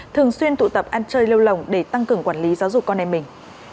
thường xuyên tụ tập ăn chơi lêu lồng để tăng cường quản lý giáo dục con em mình